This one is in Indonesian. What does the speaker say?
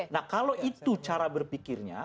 nah kalau itu cara berpikirnya